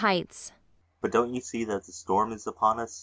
] But don't you see that the storm is upon us?